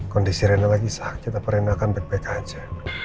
kondisi rena lagi sakit apa renakan baik baik aja